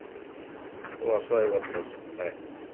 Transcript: まあ、それはよかったっす。